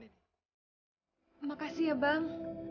terima kasih ya bang